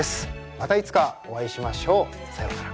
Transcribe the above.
またいつかお会いしましょう。さようなら。